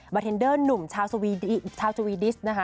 เทนเดอร์หนุ่มชาวสวีดิสนะคะ